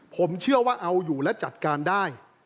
ผมเชื่อว่าเอาอยู่และจัดการได้